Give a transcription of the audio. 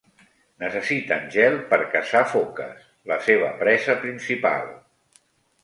Necessiten gel per caçar foques, la seva presa principal.